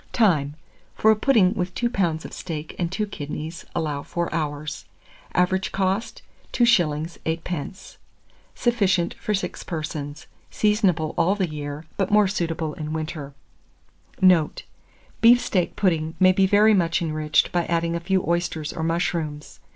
Time. For a pudding with 2 lbs. of steak and 2 kidneys allow 4 hours. Average cost, 2s. 8d. Sufficient for 6 persons. Seasonable all the year, but more suitable in winter. Note. Beef steak pudding may be very much enriched by adding a few oysters or mushrooms.